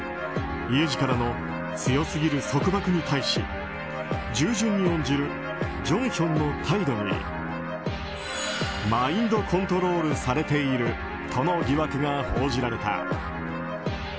イェジからの強すぎる束縛に対し従順に応じるジョンヒョンの態度にマインドコントロールされているとの疑惑が報じられた。